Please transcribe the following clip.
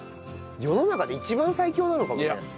世の中で一番最強なのかもね。